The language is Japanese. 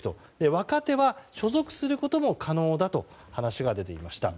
若手は所属することも可能だと話が出ていました。